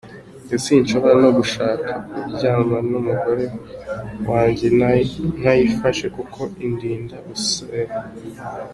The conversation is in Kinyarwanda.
Njye sinshobora no gushaka kuryamana n’umugore wanjye ntayifashe kuko indinda guseba.